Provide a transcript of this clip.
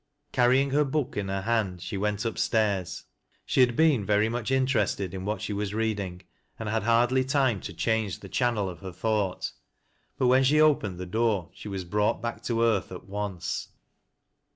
Carrying her book in her hand, she went upstairs. She had beeu very much interested in what she was reading, and had hardly time 1 > change the channel of her thoughl. But when she opened the door, she was brought back to earth at once.